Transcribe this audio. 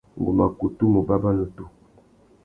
Ngu mà kutu mù bàbà nutu.